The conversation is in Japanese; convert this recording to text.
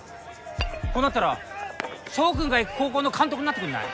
こうなったら翔君が行く高校の監督になってくんない？